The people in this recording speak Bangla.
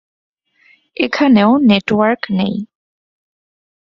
এখানেও নেটওয়ার্ক নেই।